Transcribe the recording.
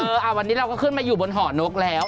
วันนี้เราก็ขึ้นมาอยู่บนห่อนกแล้ว